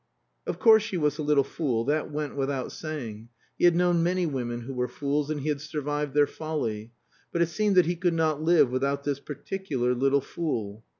Of course she was a little fool; that went without saying. He had known many women who were fools, and he had survived their folly. But it seemed that he could not live without this particular little fool.